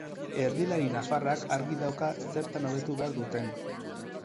Erdilari nafarrak argi dauka zertan hobetu behar duten.